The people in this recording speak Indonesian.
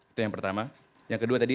itu yang pertama yang kedua tadi